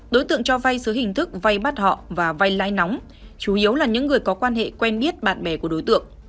đối tượng cho vay dưới hình thức vay bắt họ và vay lai nóng chủ yếu là những người có quan hệ quen biết bạn bè của đối tượng